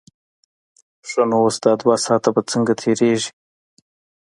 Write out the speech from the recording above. ښه نو اوس دا دوه ساعته به څنګه تېرېږي.